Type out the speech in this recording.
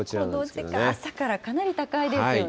この時間、朝からかなり高いですよね。